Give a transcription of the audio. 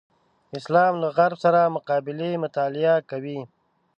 اسلام له غرب سره مقابلې مطالعه کوي.